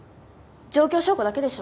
状況証拠だけでしょ？